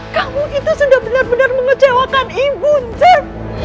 kamu itu sudah benar benar mengecewakan ibu jen